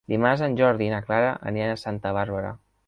Dimarts en Jordi i na Clara aniran a Santa Bàrbara.